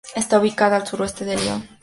Está ubicada a al suroeste de Lyon.